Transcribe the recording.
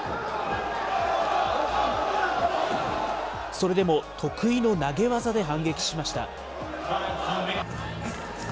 それでも得意の投げ技で反撃しました。